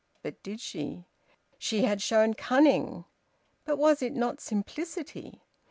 But did she? She had shown cunning! But was it not simplicity?